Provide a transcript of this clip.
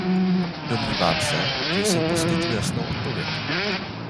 Domnívám se, že jsem poskytl jasnou odpověď.